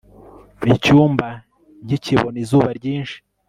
iki cyumba ntikibona izuba ryinshi